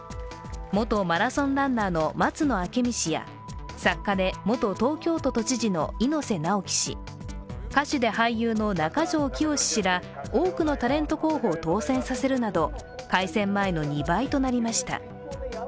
元マラソンランナーの松野明美氏や、作家で元東京都知事の猪瀬直樹氏、歌手で俳優の中条きよし氏ら多くのタレント候補を当選させるなど改選前の２倍となりました。